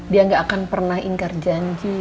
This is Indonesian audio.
dia gak akan pernah ingkar janji